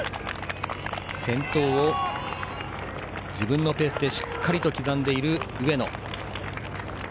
先頭を自分のペースでしっかり刻んでいる上野。